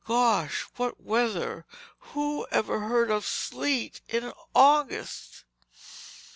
Gosh, what weather! Who ever heard of sleet in August!"